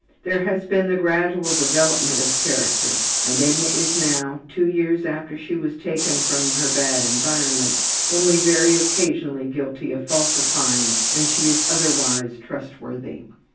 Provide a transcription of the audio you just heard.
There has been the gradual development of character, and Edna is now, two years after she was taken from her bad environment, only very occasionally guilty of falsifying, and she is otherwise trustworthy.